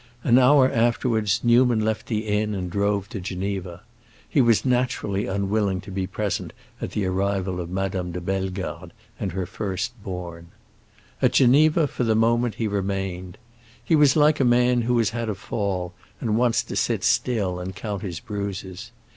An hour afterwards Newman left the inn and drove to Geneva; he was naturally unwilling to be present at the arrival of Madame de Bellegarde and her first born. At Geneva, for the moment, he remained. He was like a man who has had a fall and wants to sit still and count his bruises.